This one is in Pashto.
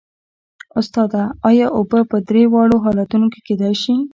استاده ایا اوبه په درې واړو حالتونو کې کیدای شي